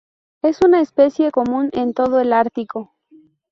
Es una especie común en todo el Ártico.